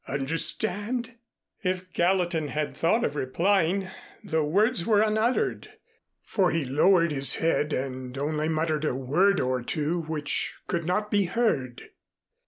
Understand?" If Gallatin had thought of replying, the words were unuttered, for he lowered his head and only muttered a word or two which could not be heard.